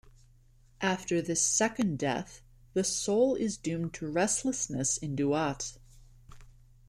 After this "second death", the soul is doomed to restlessness in Duat.